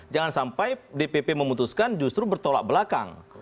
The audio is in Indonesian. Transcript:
jangan sampai dpp memutuskan justru bertolak belakang